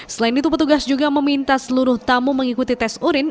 selain itu petugas juga meminta seluruh tamu mengikuti tes urin